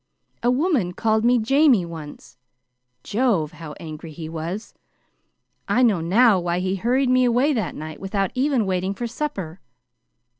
A woman called me 'Jamie,' once. Jove! how angry he was! I know now why he hurried me away that night without even waiting for supper.